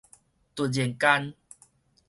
突然間